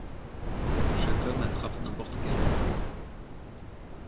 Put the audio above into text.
Chaque homme attrape n'importe quelle femme.